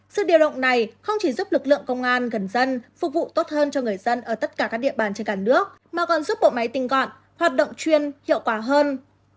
sự điều động này không chỉ giúp lực lượng công an gần dân phục vụ tốt hơn cho người dân ở tất cả các địa bàn trên cả nước mà còn giúp bộ máy tinh gọn hoạt động chuyên hiệu quả hơn